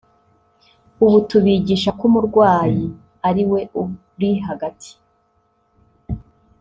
ubu tubigisha ko umurwayi ari we uri hagati